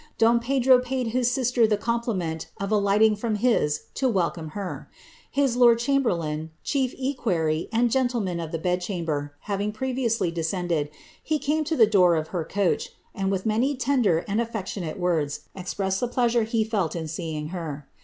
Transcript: DM Pedro paid his sister the conipliment of alighting from kia to wiJiwa her : his lord chamherlain, chief equerry, and gentleman of iJm hii chaniber, liaving previously descended, he came to the door of her coaih and, with many tender and ailectionate words, ezpreaaed the pkamith felt in seeing her.